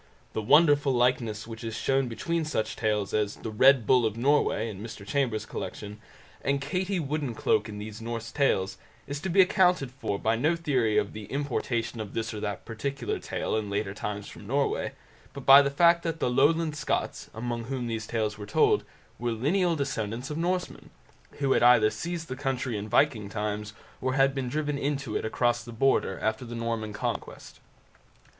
The wonderful likeness which is shown between such tales as the "Red Bull of Norway" in Mr Chambers' collection, and Katie Woodencloak in these Norse Tales, is to be accounted for by no theory of the importation of this or that particular tale in later times from Norway, but by the fact that the Lowland Scots, among whom these tales were told, were lineal descendants of Norsemen, who had either seized the country in the Viking times, or had been driven into it across the Border after the Norman Conquest.